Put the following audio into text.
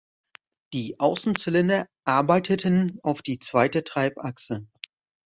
Die Außenzylinder arbeiteten auf die zweite Treibachse.